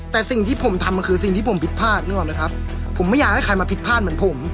แต่สิ่งที่ผมทำมันคือสิ่งที่ผมผิดพลาดนึกออกไหมครับผมไม่อยากให้ใครมาผิดพลาดเหมือนผม